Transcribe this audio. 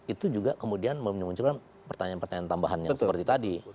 itu juga kemudian memunculkan pertanyaan pertanyaan tambahannya seperti tadi